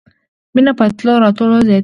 مينه په تلو راتلو زياتېږي.